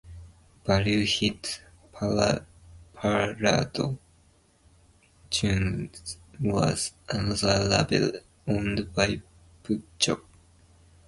Value Hit Parade Tunes was another label owned by Puccio.